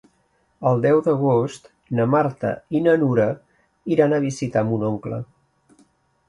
El deu d'agost na Marta i na Nura iran a visitar mon oncle.